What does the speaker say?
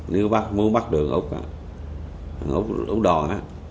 nếu bác muốn bắt đường úc úc đòn á